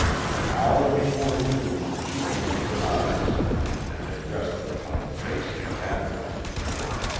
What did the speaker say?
An hour before noon she opened her eyes, and they rested upon the face of the Advocate.